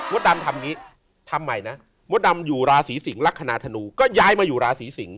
ดำทำอย่างนี้ทำใหม่นะมดดำอยู่ราศีสิงลักษณะธนูก็ย้ายมาอยู่ราศีสิงศ